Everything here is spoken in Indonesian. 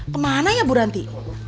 kemana ya bu ranti